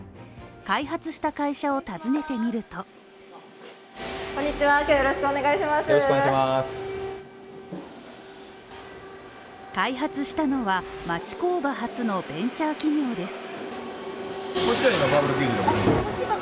開発した会社を訪ねてみると開発したのは、町工場発のベンチャー企業です。